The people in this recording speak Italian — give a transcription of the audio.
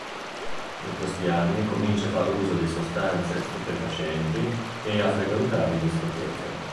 In questi anni comincia a far uso di sostanze stupefacenti e a frequentare discoteche.